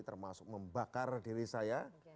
termasuk membakar diri saya